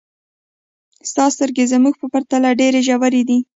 ستا سترګې زموږ په پرتله ډېرې ژورې دي.